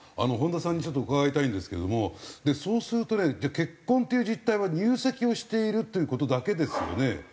本田さんにちょっと伺いたいんですけどもそうするとね結婚っていう実態は入籍をしているという事だけですよね。